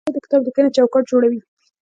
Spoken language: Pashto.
لرګی د کتابلیکنې چوکاټ جوړوي.